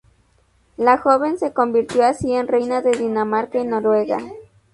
La joven se convirtió así en reina de Dinamarca y Noruega.